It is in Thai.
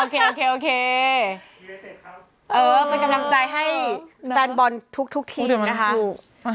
เป้าหมายถือเป็นกำลังใจให้แฟนบอลทุกทุกทีนะคะ